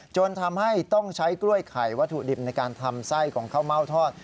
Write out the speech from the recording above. จนทำให้ต้องใช้กล้วยไข่วัตถุดิบในการทำไส้ของข้าวเม่าทอด